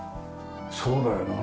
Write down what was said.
そうだよな。